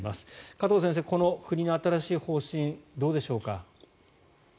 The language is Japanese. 加藤先生、この国の新しい方針どうでしょうか。